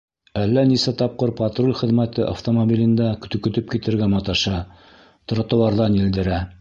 Әллә нисә тапҡыр патруль хеҙмәте автомобилен дә төкөтөп китергә маташа, тротуарҙан елдерә.